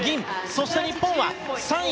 そして、日本は３位。